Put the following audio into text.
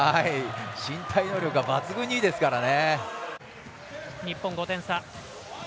身体能力が抜群にいいですからね。